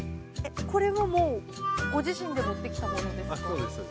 これもご自身で持ってきたものですか？